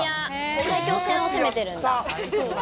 埼京線を攻めてるんだ。